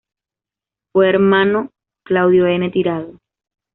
Fue hermano Claudio N. Tirado.